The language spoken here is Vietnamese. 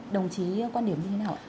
đồng chí quan điểm như thế nào ạ